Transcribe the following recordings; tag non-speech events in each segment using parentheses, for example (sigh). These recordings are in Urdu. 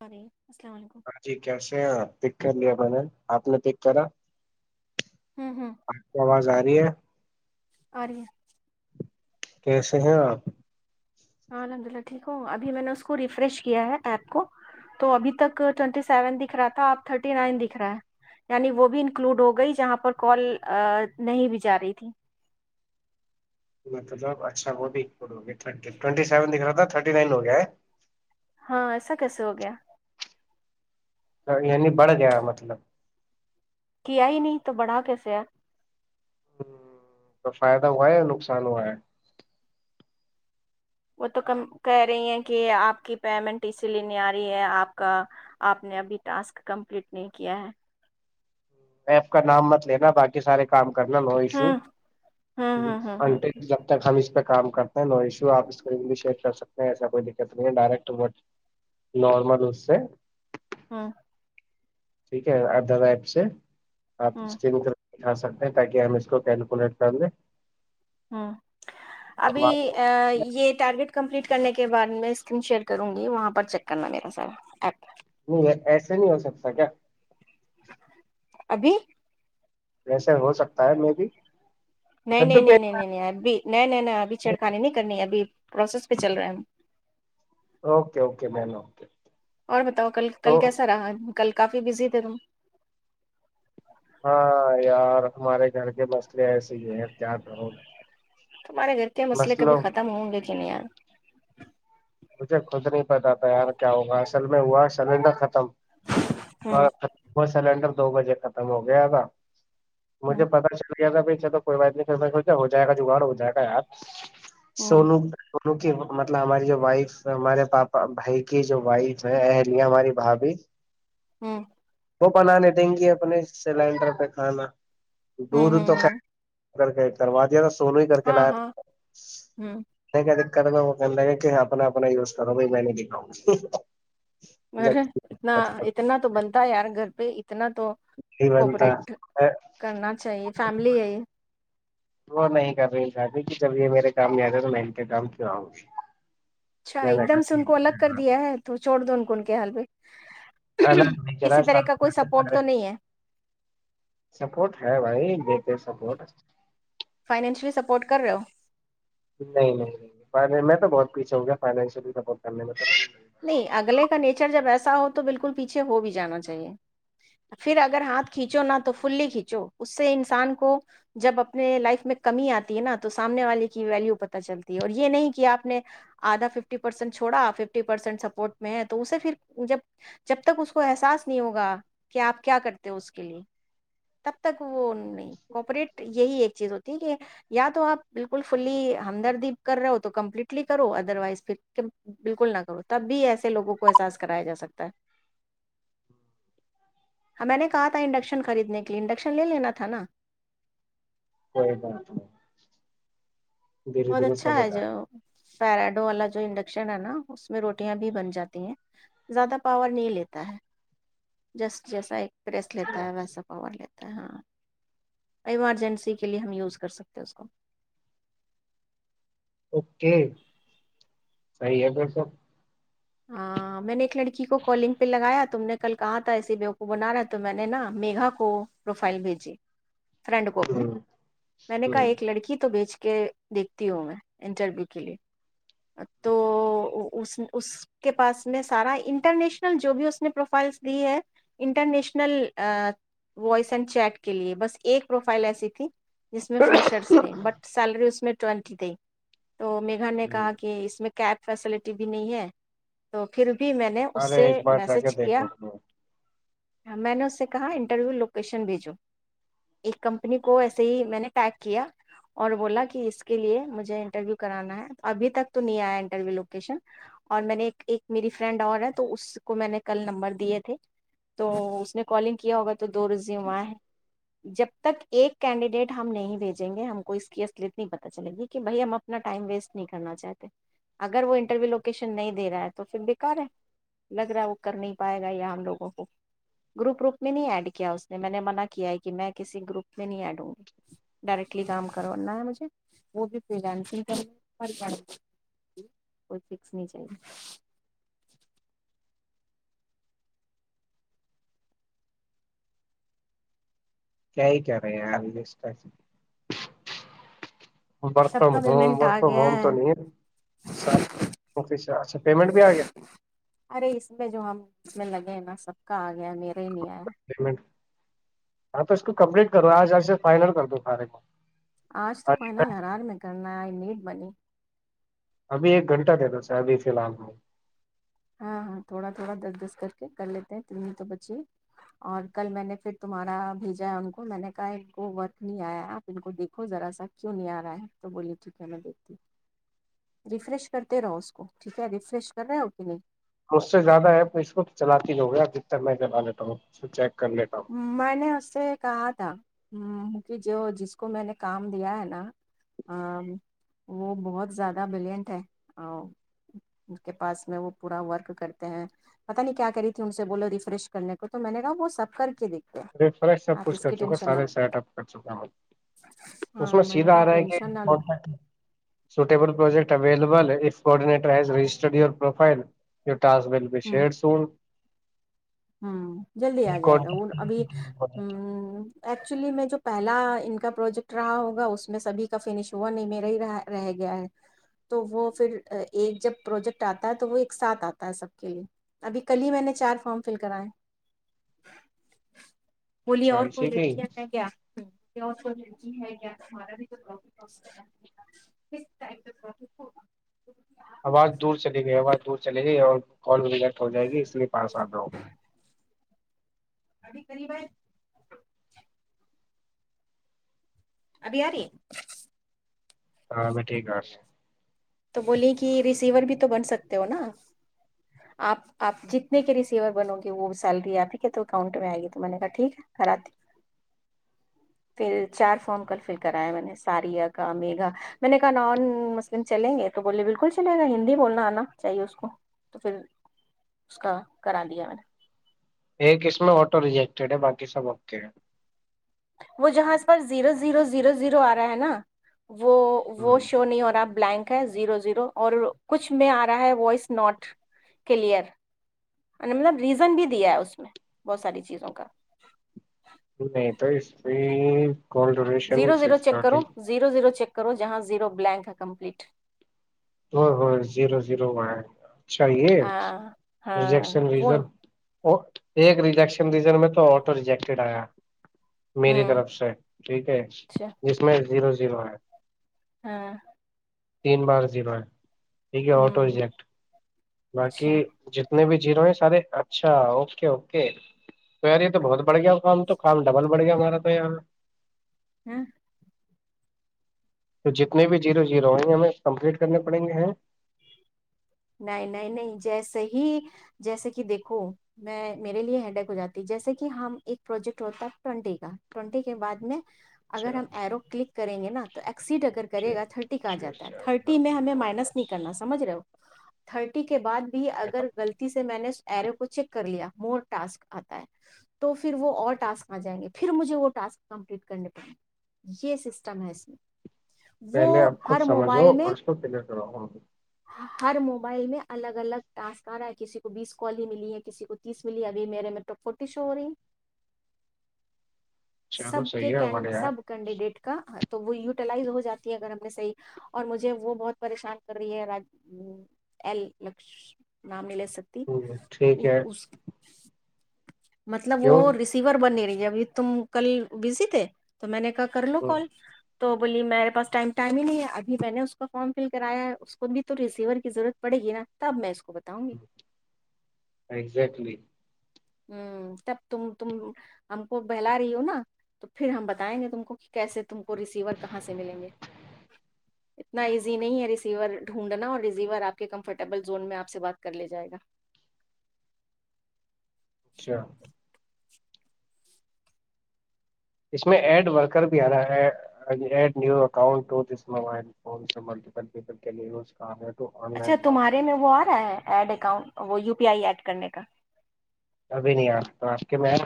سی ہاں جی کیسے ہیں آپ کر لیا ب نے آپ نے پیک کرا ہوں آپ کی آواز آ رہی س اور یہ کیسے ہیں آپ ہاں الحمد للہ ٹھیک ہوں ابھی میں نے اس کو ریفریش کیا ہے ایپ کو تو ابھی تک ٹوونٹی سیون دکھ رہا تھا اپ تھرٹی نائن دکھ رہا ہے یعنی وہ بھی انکلوڈ ہو گئی جہاں پر کال نہیں بھی جا رہی تھی مطلب اچھا وہگٹ سیون د رہا تھا تھرٹی نائن ہو گیا ہے ہاں ایسا کس ہو گیا یعنی بڑھ گیا مطلب کیا ہی نہیں تو بڑھا کیسے ہے ہ تو فائدہ ہوا ہے یا نقصان ہوا ہے وہ تو ک کہہ رہی ہیں کہ آپ کی پیمنٹ اسی لیے نہیں آ رہی ہے آپ کا آپ نے ابھی ٹاسک کمپلیٹ نہیں کیا ہے میں آپ کا نام مت لینا باقی سارے کام کرنا ہو ہوں ہوں ہوں ہوں ہوں جب تک ہم کام کرتا ہیں نو ایشو آپ اس شیئر کر سکتے ہیں ایسا کوئی دقت نہیں ہے ڈائریکٹ وٹ نارمل اس سے ہاں ٹھیک ہے آپ دادا ایپ سے آپ ہوں تو ھا سکتے ہیں تاکہ ہم اس کو کیلکولیٹ کر دیں ہ ابھی یہ ٹارگٹ کمپلیٹ کرنے کے بعد میں اسکرین شیئر کروں گی وہاں پر چیک کرنا میرا سر ای نہیں ایسے نہیں ہو سکتا کیا ابھی ویسے ہو سکتا ہے م بھی نہیں نہیں سدو پہ نہیں نہیں نہیں نہیں ابھی نہیں نہیں نہیں ابھی چھڑکانی نہیں کرنی ابھی پروسیس پہ چل رہے ہیں ہم اوکے اوکے بموکے اور بتاؤ کل تو کل کیسا رہا کل کافی بزی تھے تم ہاں یار ہمارے گھر کے مسئلے ایسے ہی ہیں تار رہو تمہارے گھر کے مئل کب ختم ہوں گے کہ نہیں مجھے خود نہیں پتا تھا یار کیا ہوگا اصل میں ہوا سلینڈر ختم ہوں ہ بت سالے اکل دو بجے ختم ہو گیا تھاا مجھے ہوں پتا چلا سا ب چل تو کوئی بات نہیں سوچ ہو جائےا جگاڑ ہو جائے گا یاار ہوں سوو کیک کہ مطلب ہماری جو وائف ہمارے پاپا بھائی کی جو وائف ہے اہلیا ہماری بھاابھی ہوں وہ بنانے دیں گی اپنے سلینڈر پہ کھانا ہوں دور ہوں تو ک ہوں ا ک کررو سولو ہی کر کے ہاں لا ہاں ہوں نہیں کہتے کرنا وہ کہا ہے کہ اپنا اپنا یوز کرو ب میں نہیں دکھاؤں گا ارے اتنا اتنا تو بنتا ہے یار گھر پہ اتنا تو بنتا کوپریٹ کرنا چاہیے فیملی ہے ہی وہ نہیں کر رہی شی کہ جب یہ میرے کام گیا تھا تو میں ان کے کام کیوں آؤں گی اچھا میں ایک نے دم سے ان کو الگ کر دیا ہے تو چوڑ دون کون کے حالو الگ نہیں چلا تو نہیں ہے سپٹ ہے بھائی سپٹ فائنینشلی سپورٹ کر رہے ہو (unintelligible) نہیں نہیں میں تو بہت کچھ ہو گیا فائنینشلی سپورٹ کرنے میں توا نہیں اگلے کا نیچر جب ایسا ہو تو بالکل پیچھے ہو بھی جانا چاہیے پھر اگر ہاتھ کھینچو نہا تو فلی کھینچو اس سے انسان کو جب اپنے لائف میں کمی آتی ہے نا تو سامنے والے کی ویلو پت چلتی ہے اور یہ نہیں کہ آپ نے آدھا ففٹی پرسینٹ چھڑا پرسینٹ سپورٹ میں ہے تو اسے پھر جب جب تک اس کو احساس نہیں ہوگا کہ آپ کیا کرتے ہو اس کے لیے تب تک وہ نہیں کوپوریٹ یہی ایک چیز ہوتی ٹھیک ہے یا تو آپ بالکل فلی ہمدردی کر رہے ہو تو کمپلیٹلی کرو ادر وائز پھر بالکل نہ تب بھی ایسے لوگوں کو احساس کرایا جا سکتا ہے ہاں میں نے کہا تھا انڈکشن خریدنے کے لیے انڈکشن لے لینا تھا نا (inaudible) دھیرے بہت دھیرے اچھا سب ہو ہے جو جائے پیراڈو والا جو انڈکشن ہے نا اس میں روٹیاں بھی بن جاتی ہیں زیادہ پاور نہیں لیتا ہے جسٹ جیسا ایک پریس لیتا ہے ویسا پاور لیتا ہے ہاں ایمرجنسی کے لیے ہم یوز کر سکتے اس کو (inaudible) ہاں میں نے ایک لڑکی کو کالنگ پہ لگایا تم نے کل کہا تھا ایسی بیو کو بنا رہا ہے تو میں نے نا میگھا کو پروفائل بھیجی فرینڈ کو اپنے ہوں۔ میں نے کہا ایک لڑکی تو بیچ کہ دیکھتی ہوں میں انٹرویو کے لیے تو اس کے پاس میں سارا انٹرنیشنل جو بھی اس نے پروفائلس دی ہے انٹرنیشنل وائس اینڈ چیٹ کے لیے بس ایک پروفائل ایسی تھی جس میں فریشرس تھے بٹ سیلری اس میں (inaudible) تو میگا نے کہا کہ اس میں کی (unintelligible) ارے (unintelligible) ایک بار جا کے دیکھو تو (unintelligible) میں نے اس سے کہا انٹرویو لوکیشن بھیجو ایک کمپنی کو ایسے ہی میں نے پیک کیا اور بولا کہ اس کے لیے مجھے انٹرویو کرانا ہے ابھی تک تو نہیں آیا انٹرویو لوکیشن اور میں نے ایک میری فرینڈ اور ہے تو اس کو میں نے کل نمبر دیے تھے تو اس نے کالنگ کیا ہو تو دو رزی ہواں ہے جب تک ایک کینڈیڈیٹ ہم نہیں بھیجیں گے ہم کو اس کی اصلیت نہیں پتا چلے گی کہ بھائی ہم اپنا ٹائم ویسٹ نہیں کرنا چاہتے اگر وہ انٹرویو لوگ کیشن نہیں دے رہا ہے تو پھر بیکار ہے لگ رہا وہ کر نہیں پائے گا یہ ہم لوگوں کو گروپ گوپ میں نہیں ایڈ کیا اس نے میں نے منع کیا ہے کہ میں کسی گروپ میں نہیں ایڈ ہوں گی ڈائریکٹلی کام کرنا ہے مجھے وہ بھی ف لگ رنی چاہی کیائی کرے ہیں آ رس ورک سب فرام کا ہوم پیمنٹ ورک آ فرام گیا ہوم تو ہے نہیں اچھا پیمنٹ بھی آ گیا ارے اس میں جو ہم اس میں لگے نا سب کا آ گیا میرا ارینیا پیمنٹ ہاں تو اس کو کمپلیٹ کرو آج آج سے فائنل کر دو سارے کو آج تو کہ ن لرار میں کرنا ہے میٹ (unintelligible) ابھی ایک گھنٹہ دتا سر ابھی فی الحال میں ہاں ہاں تھوڑا تھوڑا دس دس کر کے کر لیتے ہیں تنی تو بچیے اور کل میں نے پھر تمہارا بھیجا ہے ان کو میں نے کہا ان کو ورک نہیں آیا ہے آپ ان کو دیکھو ذرا سا کیوں نہیں آ رہا ہے تو بولیے ٹھیک ہے میں دیکھتی ہ ریفریش کرتے رہو اس کو ٹھیک ہے ریفریش کر رہے ہو ہ (inaudible) م سے زیادہ ہےپ اس وقت چلاتی نہیں ہوگیپ جت تنا میں چلا لیتا ہوں چیک کر لیتا ہوں میں نے اس سے کہا تھا ہ جو جس کو میں نے کام دیا ہے نا وہ بہت زیادہ بلینٹ ہے اس کے پاس میں وہ پورا ورک کرتے ہیں پتہ نہیں کیا کری تھی ان سے بولو ریفریش کرنے کو تو میں نے کہا وہ سب کر (inaudible) رش سب آپ کچھ اس کر کی چکا ٹینشن نہ سارے لو سیٹ اپ کر چکا اس میں ہاں نے سیدھا کہا آ رہا ہے کہ ٹینشن نہ لو سوٹیبل پروجیکٹ اویلیبل ف کوڈٹرز رجسٹرڈ یور پروفائل ی اس مل ب ش سول ہوں جلدی آ جائے گا وہ ابھی ہ ایکچولی میں جو پہلا ان کا پروجیکٹ رہا ہوگا اس میں سبھی کا فنش ہوا نہیں میرا ہی رہ رہ گیا ہے تو وہ پھر ایک جب پروجیکٹ آتا ہے تو وہ ایک ساتھ آتا ہے سب کے لیے ابھی کل ہی میں نے چار فارم فل کرائیں بولیے اور کوئی ٹھیک ہے لڑکیاں ہیں کیا اور ہے تارا بھیف ہو کٹف ہوگا آواز دور چلی گئی آواز دور چل گئی اور کال رجیکٹ ہو جائے گی اس لیے پاس آ رہا ہوں ابھی قریب ہے ابھی آ رہی ہاں میں ٹھیک آس تو بولیے کہ ریسیور بھی تو بن سکتے ہو نا آپ آپ جتنے کے ریسیور بنو گے وہ سیلری آپ ہی کہ تو اکاؤنٹ میں آئے گی تو میں نے کہا ٹھیک ہے کرای پھر چار فارم ہوں. کل فل کرایا میں نے ساریا کا میگا میں نے کہا نان م چلیں گے تو بولے بالکل چلے گا ہندی بولنا آنا چاہیے اس کو تو پھر اس کا کرا دیا میں نے ایکس میں آٹو ریجیکٹیڈ ہے باقی سب اک ہے وہ جہاں اس پاس زیرو زیرو زیرو زیرو آ رہا ہے نا وہ وہ ہوں، شو نہیں اور آپ بلینک زیرو زیرو اور کچھ میں آ رہا ہے وائس ناٹ کلیئر مطلب ریزن بھی دیا ہے اس میں بہت ساری چیزوں کا نہیں تو اس میں call duration zero zero six check کرو تھرٹی زیرو زیرو چیک کر کرو جہاں زیرو بلینک ہے کمپلیٹ ہو ہو زیرو زیرو میں گ چاہیے ہاں ہاں ریجیکشن وہ ریزن ایک ریجیکشن ریزن میں تو آٹو ریجیکٹیڈ آیا میری ہوں طرف سے ٹھیک ہے اچھا جس میں زیرو جی بار ہاں تین بار زیب ہے یک ہے ہوں آٹوجیکٹ باقی اچھا ج اتنے بھی جیرو ہیں سارے اچھا اوکے اوکے تو یار یہ تو بہت بڑھ گیا ہو خم تو خم ڈبل بڑھ گیا ہمارا تو یار ہوں تو جتنے بھی جیرو جیرو ہئ گے ہمیں کمپلیٹ کرنے پڑیں گے ہیں نہیں نہیں نہیں جیسے ہی جیسے کہ دیکھو میں میرے لیے ہیڈیک ہو جاتی جیسے کہ ہم ایک پروجیکٹ ہوتا ٹونٹی کا ٹونٹی کے بعد میں چھ اگر ہم ایرو کلک کریں گے نا تو سیڈ اگر کرے چھ گا تھرٹی کا چھ جاتا ہے چار تھرٹی سات۔ میں ہمیں مائنس نہیں کرنا سمجھ رہے ہو تھرٹی کے بعد بھی اگر غلطی سے میں نے ارو کو چیک کر لیا مور ٹسک آتا ہے تو پھر وہ اور ٹسک آ جائیں گے پھر مجھے وہ ٹاسک کمپلیٹ کرنے پڑیں گے یہ سسٹم ہے اس میں پہلے وہ آپ خود ہر سمجھو موبائل اور میں اس کو کلیئر کروؤ ہر موبائل میں الگ الگ ٹاسک آ رہا ہے کسی کو بیس کال ہی ملی ہے کسی کو تیس ملی ہے ابھی میرے میں ٹپ فورٹی شو ہو رہی سب چلو کے صحیح ہے ہمارے یار سب کینڈیڈیٹ کا ہھ تو وہ یوٹیلائز ہو جاتی ہے اگر ہم نے صحیح اور مجھے وہ بہت پریشان کر رہی ہے ہ ای ل نامل (unintelligible) ستی ٹھیک ہے اس مطلب کیوں وہ ریسیور بننے رہی ابھی تم کل بزی تھے تو میں نے کہا کر لو کال تو بولیے میرے پاس ٹائم ٹائم ہی نہیں ہے ابھی میں نے اس کا فارم فل کرایا ہے اس کو بھی ریسییور کیضرورت پڑے گ نا تب میں اس کو بتاؤں گی اگزیکٹلی ہ تب تم تم ہم کو بہلا رہی ہو نا تو پھر ہم بتائیں گے تم کو کہ کیسے تم کو ریسیور کہاں سے ملیں گے اتنا ایزی نہیں ہے ریسیور ڈھونڈنا اور ریسیور آپ کے کمفرٹیبل زون میں آپ سے بات کر لے جائے گا اچھا اس میں ایڈ ورکر بھی آ رہا ہے ایڈ نی اکاؤنٹ موبائل فون سے ملٹیل پیل اچھا تمہارے میں وہ آ رہا ہے ایڈ اکاؤنٹ وہ یو پیا ایڈ کرنے کا ابھی نہیں آ تو آپ کے میں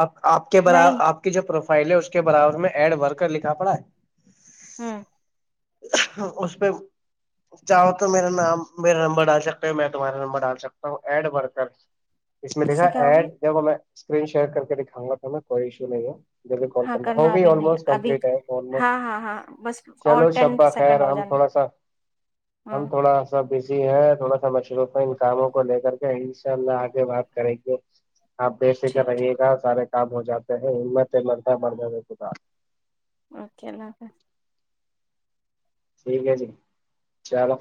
آپ آپ کے بر نہیں آپ کی جو پہلے اس کے برابر میں ایڈ بھر کر لکھا پڑا ہے ہاں اس پہ چاہو تو میرا نام میرا نمبر ڈال سکتے ہو میں تمہارا نمبر ڈال سکتا ہوں ایڈ بھر کر اس میں دکھا سے کیا ہوگا ایڈ دیکھو میں اسکرین شیٹ کر کے دکھاؤ گا پا کوئی ایشو نہیں ہے ہاں ال کرنا بھی ابھی نہیں آوسٹ ابھی کمپٹ ہےو ہاں ہاں ہاں بس اور چلو شب ٹین ب خیر سیکنڈ ہو ہم جانا تھوڑا سا ہاں ہم تھوڑا سا جی ہے تھوڑا سا مشروف تھا ان کاموں کو لے کر کے انشاء اللہ آگے بات کنے پ آپ بے فکر ٹھیک ٹھیک رہیے گا سارے کام ہو جاتے ہیں ہمت مرتاہ مرد خ اوکے اللہ حافظ ٹھیک ہے جی چلو